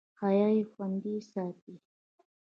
حیا یې خوندي ساتي.